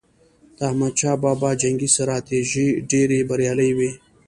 د احمد شاه بابا جنګي ستراتیژۍ ډېرې بریالي وي.